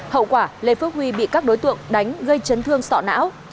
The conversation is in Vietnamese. hậu quả lê phước huy bị các đối tượng đánh gây chấn thương sọ não